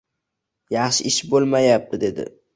Yaxshi ish bo`lmapti, dedi